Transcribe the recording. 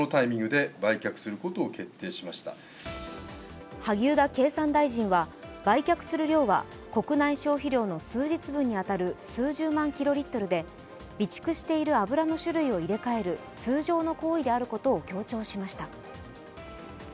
更に萩生田経産大臣は、売却する量は国内消費量の数日分に当たる数十万キロリットルで、備蓄している油の種類を入れ替える通常の行為であることを協調しました。